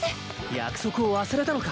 約束を忘れたのか？